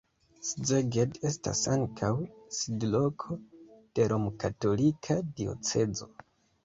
Szeged estas ankaŭ sidloko de romkatolika diocezo.